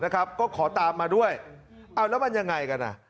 ก็ขอตามมาด้วยเอาแล้วมันยังไงกันอ่ะ